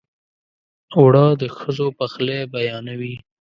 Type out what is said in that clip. اوړه د ښځو پخلی بیانوي